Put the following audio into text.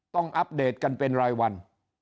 อัปเดตกันเป็นรายวัน